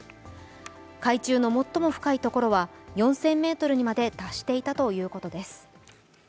海中の最も深いところは４０００ｍにまで達していたということです。